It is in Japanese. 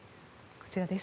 こちらです。